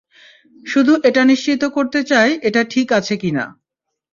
শুধু এটা নিশ্চিত করতে চাই এটা ঠিক আছে কিনা।